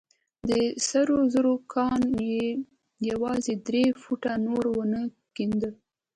د سرو زرو کان يې يوازې درې فوټه نور ونه کينده.